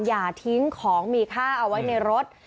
อย่าทิ้งของมีค่าเอาไว้ในรถ